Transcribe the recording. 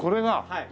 はい。